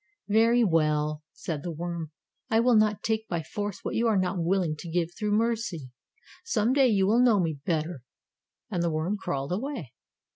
"Very well," said the worm, "I will not take by force what you are not willing to give through mercy. Some day you will know me better," and the worm crawled away.